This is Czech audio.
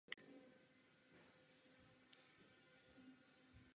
U Ostende se nachází regionální letiště a u Bruselu se nachází mezinárodní letiště.